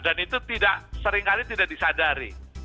dan itu seringkali tidak disadari